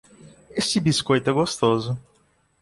Este biscoito é gostoso.